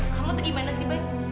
kamu tuh gimana sih bay